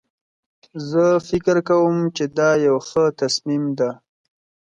زه فکر کوم چې دا یو ښه تصمیم ده